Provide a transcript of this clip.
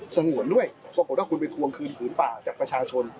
สง่วนด้วยความผละครุ่มไปทวงคืนพื้นป่าจากประชาชน